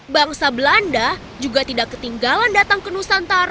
bangsa belanda juga tidak ketinggalan datang ke nusantara